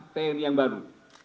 panglima tni yang baru